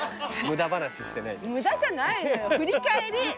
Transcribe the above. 無駄じゃないのよ振り返り。